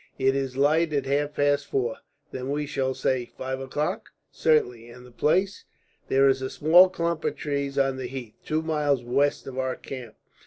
It is light at half past four." "Then shall we say five o'clock?" "Certainly." "And the place?" "There is a small clump of trees on the heath, two miles west of our camp."